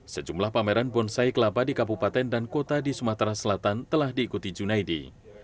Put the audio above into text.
sejumlah pameran bonsai kelapa di kabupaten dan kota di sumatera selatan telah diikuti junaidi